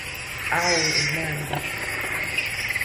Aol is married.